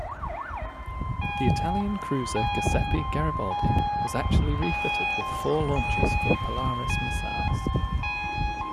The Italian cruiser "Giuseppe Garibaldi" was actually refitted with four launchers for Polaris missiles.